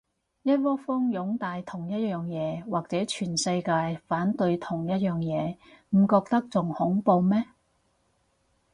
一窩蜂擁戴同一樣嘢，或者全世界反對同一樣嘢，唔覺得仲恐怖咩